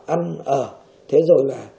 ăn ở thế rồi là